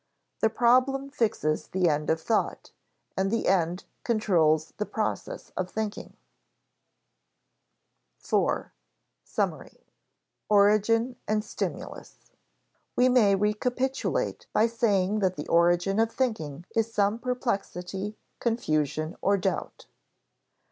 The problem fixes the end of thought and the end controls the process of thinking. § 4. Summary [Sidenote: Origin and stimulus] We may recapitulate by saying that the origin of thinking is some perplexity, confusion, or doubt.